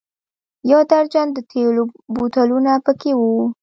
یو درجن د تېلو بوتلونه په کې و.